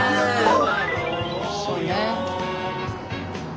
そうね。